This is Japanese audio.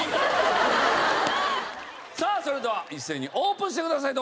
さあそれでは一斉にオープンしてください。